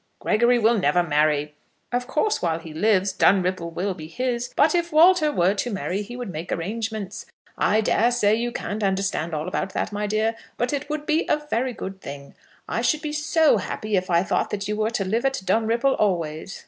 "Gregory will never marry. Of course while he lives Dunripple will be his; but if Walter were to marry he would make arrangements. I dare say you can't understand all about that, my dear; but it would be a very good thing. I should be so happy if I thought that you were to live at Dunripple always."